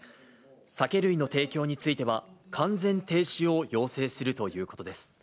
酒類提供については、完全停止を要請するということです。